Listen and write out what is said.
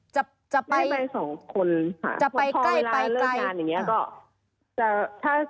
จะไปจะไปใกล้ค่ะพอเวลาเลิกงานอย่างนี้ก็ไม่มีไปสองคน